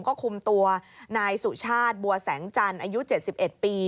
ก็คุมตัวนายสุชาติบัวแสงจันทร์อายุ๗๑ปี